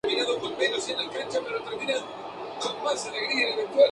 Esos dos muchachos me inspiraron cuando estaba haciendo karting".